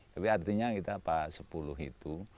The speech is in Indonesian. tapi artinya kita sepuluh itu